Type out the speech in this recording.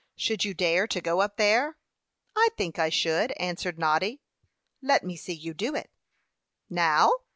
Should you dare to go up there?" "I think I should," answered Noddy. "Let me see you do it." "Now?"